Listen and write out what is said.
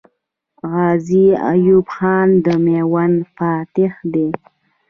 غازي ایوب خان د میوند فاتح دی.